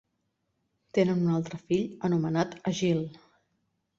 Tenen un altre fill anomenat Egil.